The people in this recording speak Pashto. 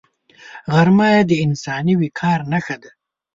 غرمه د انساني وقار نښه ده